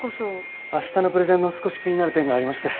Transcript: あしたのプレゼンの少し気になる点がありまして。